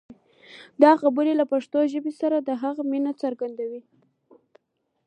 دا خبرې له پښتو ژبې سره د هغه مینه څرګندوي.